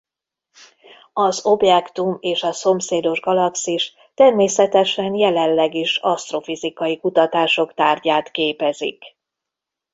Az objektum és a szomszédos galaxis természetesen jelenleg is asztrofizikai kutatások tárgyát képezik.